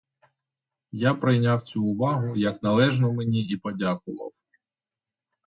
Я прийняв цю увагу як належну мені і подякував.